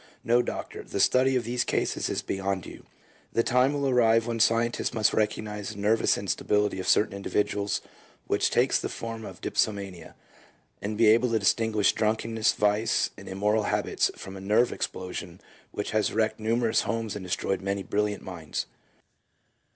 No, Doctor, the study of these cases is beyond you. ... The time will arrive when scientists must recognize the nervous instability of certain individuals which takes the form of dipsomania, and be able to distinguish drunkenness, vice, and immoral habits from a nerve explosion which has wrecked numerous homes and destroyed many brilliant minds."